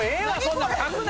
書くな！